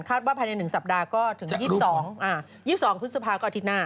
ว่าภายใน๑สัปดาห์ก็ถึง๒๒พฤษภาก็อาทิตย์หน้า